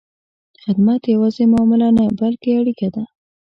خدمت یوازې معامله نه، بلکې اړیکه ده.